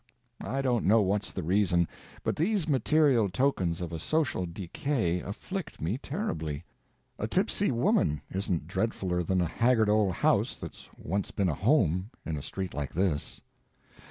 I don't know what's the reason, but these material tokens of a social decay afflict me terribly; a tipsy woman isn't dreadfuler than a haggard old house, that's once been a home, in a street like this.